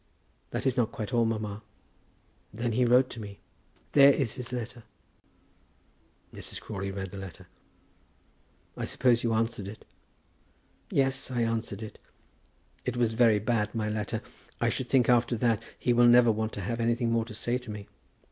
That is not quite all, mamma. Then he wrote to me. There is his letter." Mrs. Crawley read the letter. "I suppose you answered it?" "Yes, I answered it. It was very bad, my letter. I should think after that he will never want to have anything more to say to me.